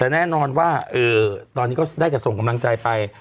แต่แน่นอนว่าตอนนี้ก็ได้จะส่งกำลังใจไป